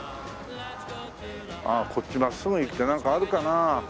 ああこっち真っすぐ行ってなんかあるかな？